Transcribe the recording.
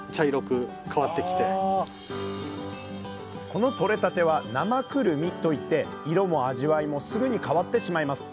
このとれたては「生くるみ」と言って色も味わいもすぐに変わってしまいます。